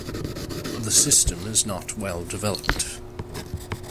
The system is not well-developed.